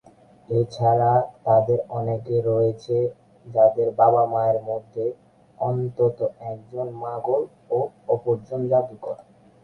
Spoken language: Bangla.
এছাড়া আরো অনেকে রয়েছে যাদের বাবা-মায়ের মধ্যে অন্তত একজন মাগল ও অপরজন জাদুকর।